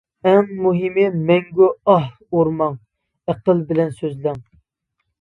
ئەڭ مۇھىمى مەڭگۈ ئاھ ئۇرماڭ، ئەقىل بىلەن سۆزلەڭ.